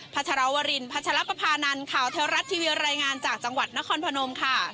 พระชรวรินพัชรปภานันข่าวเทวรัฐทีวีรายงานจากจังหวัดนครพนมค่ะ